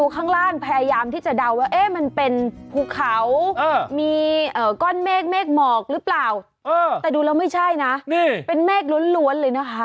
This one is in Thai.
เขามีก้อนเมฆเมฆหมอกหรือเปล่าแต่ดูแล้วไม่ใช่นะเป็นเมฆล้วนเลยนะคะ